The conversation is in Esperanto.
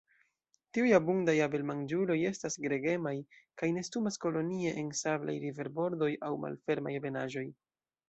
Tiuj abundaj abelmanĝuloj estas gregemaj, kaj nestumas kolonie en sablaj riverbordoj aŭ malfermaj ebenaĵoj.